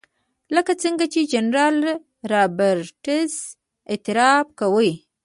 لکه څنګه چې جنرال رابرټس اعتراف کوي.